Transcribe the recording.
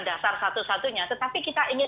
dasar satu satunya tetapi kita ingin